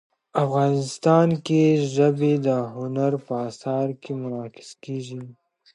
افغانستان کې ژبې د هنر په اثار کې منعکس کېږي.